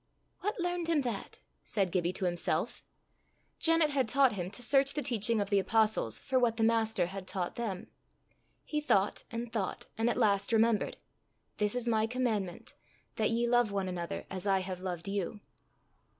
"What learned him that?" said Gibbie to himself; Janet had taught him to search the teaching of the apostles for what the Master had taught them. He thought and thought, and at last remembered "This is my commandment, that ye love one another as I have loved you."